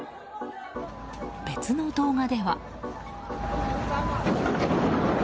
別の動画では。